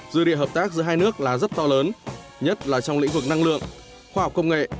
dư địa hợp tác giữa hai nước là rất to lớn nhất là trong lĩnh vực năng lượng khoa học công nghệ